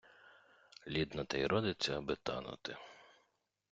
Лід на те й родиться, аби танути.